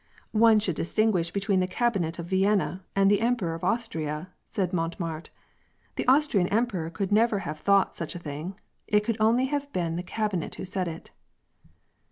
" One should distinguish between the cabinet of Vienna and the Emperor of Austria," said Montemart. " The Austrian emperor could never have thought of such a thing ; it could only have been the cabinet who said it."